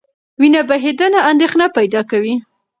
وینه بهېدنه اندېښنه پیدا کوي.